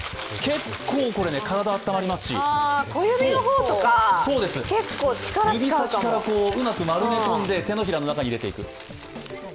結構、体が温まりますし指先からうまく丸め込んで手のひらの中に入れていく。